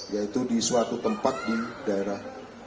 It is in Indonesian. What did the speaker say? yaitu di suatu tempat di daerah